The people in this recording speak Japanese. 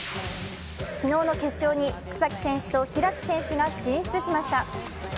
昨日の決勝に草木選手と開選手が進出しました。